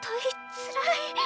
つらい。